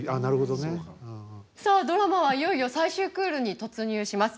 さあドラマはいよいよ最終クールに突入します。